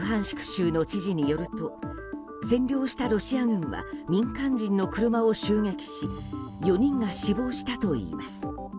州の知事によると占領したロシア軍は民間人の車を襲撃し４人が死亡したといいます。